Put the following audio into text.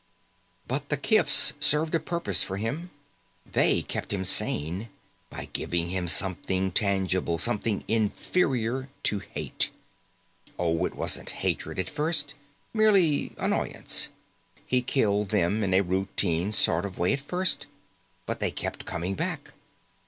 But the kifs served a purpose for him. They kept him sane, by giving him something tangible, something inferior, to hate. Oh, it wasn't hatred, at first. Mere annoyance. He killed them in a routine sort of way at first. But they kept coming back.